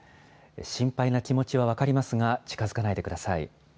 心配な気持ちは分かりますが、近づかないでください。